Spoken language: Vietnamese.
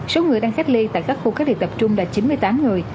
số người đang khách ly tại các khu khách ly tập trung là chín mươi tám người